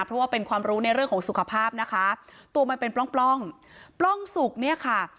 เพราะว่าเป็นความรู้ในเรื่องของสุขภาพนะคะตัวมันเป็นปล้องปล้องสุกเนี่ยค่ะ